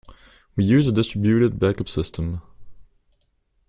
We use a distributed backup system.